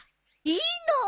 いいの？